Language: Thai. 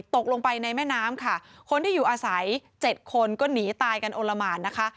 ตกลงไปในแม่น้ำค่ะคนที่อยู่อาศัยเจ็ดคนก็หนีตายกันโอละหมานนะคะ